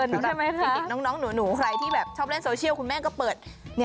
จริงน้องหนูใครที่แบบชอบเล่นโซเชียลคุณแม่ก็เปิด